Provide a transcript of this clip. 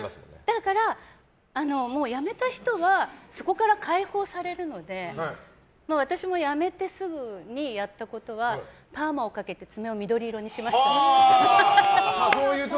だから、辞めた人はそこから解放されるので私も辞めてすぐにやったことはパーマをかけて爪を緑色にしました。